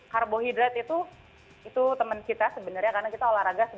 karbohidrat itu itu teman kita sebenarnya karena kita olahraga